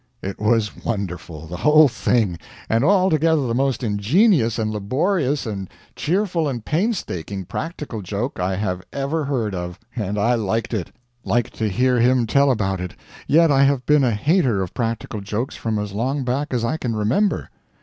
It was wonderful the whole thing; and altogether the most ingenious and laborious and cheerful and painstaking practical joke I have ever heard of. And I liked it; liked to hear him tell about it; yet I have been a hater of practical jokes from as long back as I can remember.